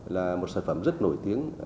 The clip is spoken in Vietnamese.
là một sản phẩm rất nổi tiếng